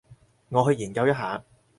我去研究一下